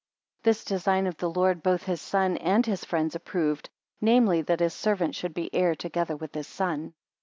18 This design of the lord both his son and his friends approved, namely, that his servant should be heir together with his son.